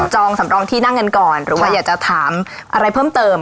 องสำรองที่นั่งกันก่อนหรือว่าอยากจะถามอะไรเพิ่มเติม